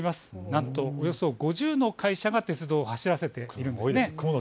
なんとおよそ５０の会社が鉄道を走らせているんです。